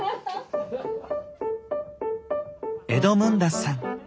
エドムンダスさん。